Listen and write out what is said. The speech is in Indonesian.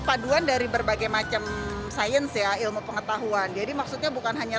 paduan dari berbagai macam sains ya ilmu pengetahuan jadi maksudnya bukan hanya